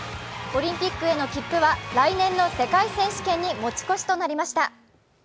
オリンピックへの切符は来年の世界選手権へ持ち越しとなりました。